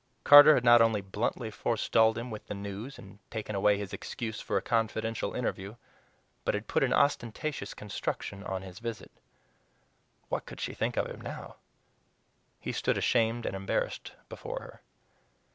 Carter had not only bluntly forestalled him with the news and taken away his excuse for a confidential interview, but had put an ostentatious construction on his visit. What could she think of him now? He stood ashamed and embarrassed before her.